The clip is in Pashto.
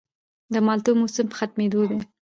د مالټو موسم په ختمېدو دی